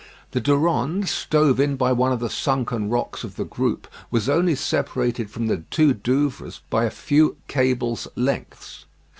The Durande, stove in by one of the sunken rocks of the group, was only separated from the two Douvres by a few cables' lengths.